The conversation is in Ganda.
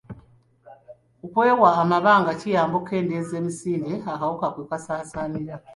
Okwewa amabanga kiyamba okukendeeza emisinde akawuka kwe kasaasaanira.